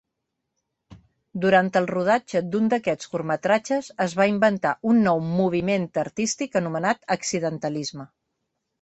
Durant el rodatge d'un d'aquests curtmetratges es va inventar un nou moviment artístic anomenat accidentalisme.